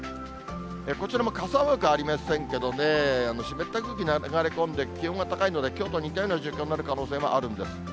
こちらも傘マークありませんけどね、湿った空気が流れ込んで、気温が高いので、きょうと似たような状況になる可能性もあるんです。